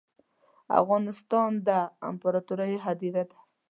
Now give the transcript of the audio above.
افغانستان ده امپراتوریو هدیره ده